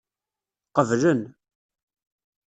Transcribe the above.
Qeblen.